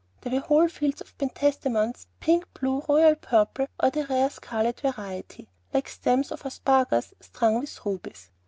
There were whole fields of pentstemons, pink, blue, royal purple, or the rare scarlet variety, like stems of asparagus strung with rubies.